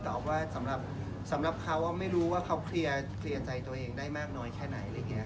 แต่เอาว่าสำหรับเขาไม่รู้ว่าเขาเครียร์ว่ามันได้ไหม